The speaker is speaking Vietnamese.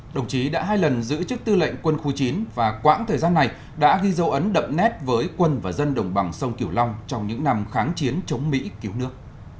đồng chí đã hai lần giữ chức tư lệnh quân khu chín và quãng thời gian này đã ghi dấu ấn đậm nét với quân và dân đồng bằng sông kiểu long trong những năm kháng chiến chống mỹ cứu nước